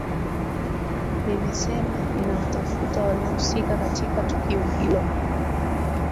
limesema linawatafuta waliohusika katika tukio hilo